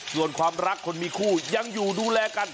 ส่วนความรักคนมีคู่ยังอยู่ดูแลกัน